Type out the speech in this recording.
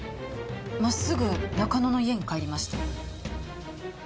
まっすぐ中野の家に帰りました。